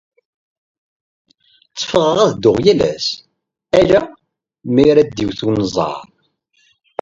Tteffɣeɣ ad dduɣ yal ass, ala mi ara d-iwet unẓar.